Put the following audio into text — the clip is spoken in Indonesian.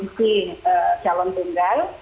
dari sisi calon tunggal